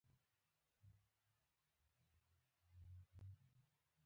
غول د معدې د اسید اغېز بدلوي.